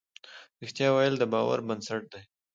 رښتيا ويل د باور بنسټ دی.